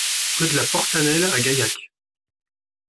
Rue de la Portanelle à Gaillac